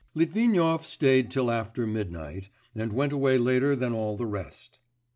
Litvinov stayed till after midnight, and went away later than all the rest.